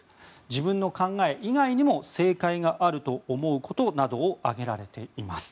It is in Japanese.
自分の考え以外にも正解があると思うことなどを挙げられています。